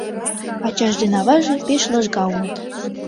Ачаж ден аваже пеш лыжга улыт.